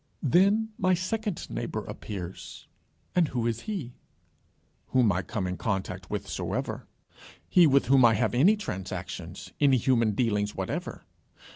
Then my second neighbour appears, and who is he? Whom I come in contact with soever. He with whom I have any transactions, any human dealings whatever.